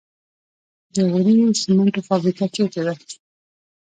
د غوري سمنټو فابریکه چیرته ده؟